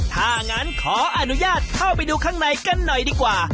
ถ้างั้นขออนุญาตเข้าไปดูข้างในกันหน่อยดีกว่า